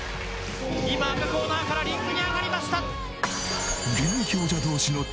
今赤コーナーからリングに上がりました！